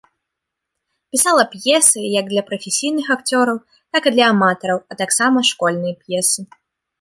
Пісала п'есы як для прафесійных акцёраў, так і для аматараў, а таксама школьныя п'есы.